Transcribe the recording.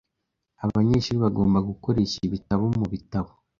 Abanyeshuri bagomba gukoresha ibitabo mubitabo.